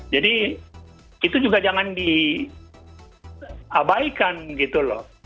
jadi itu juga jangan diabaikan gitu loh